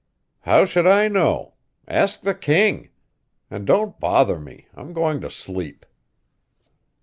"How should I know? Ask the king. And don't bother me; I'm going to sleep."